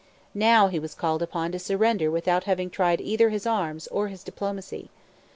Now he was called upon to surrender without having tried either his arms or his diplomacy.